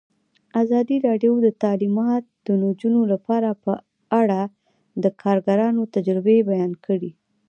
ازادي راډیو د تعلیمات د نجونو لپاره په اړه د کارګرانو تجربې بیان کړي.